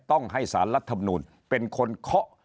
ต้องให้สารรัฐมนูลเป็นคนเคาะ